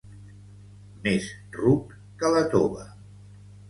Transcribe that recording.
Més ruc que la tova.